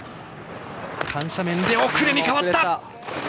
緩斜面で遅れに変わった。